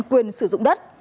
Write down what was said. quyền sử dụng đất